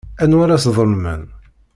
Anwa ara sḍelmen?